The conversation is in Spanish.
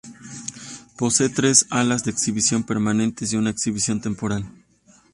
Posee tres salas de exhibición permanente y una de exhibición temporal.